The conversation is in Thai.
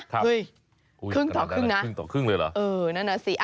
เฮ้ยครึ่งต่อครึ่งนะครึ่งต่อครึ่งเลยเหรอเออนั่นน่ะสิ